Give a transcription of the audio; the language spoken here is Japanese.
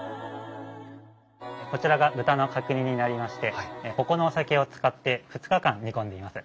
こちらが豚の角煮になりましてここのお酒を使って２日間煮込んでいます。